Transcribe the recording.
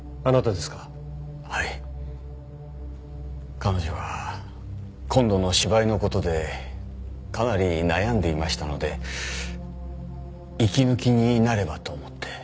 彼女は今度の芝居の事でかなり悩んでいましたので息抜きになればと思って。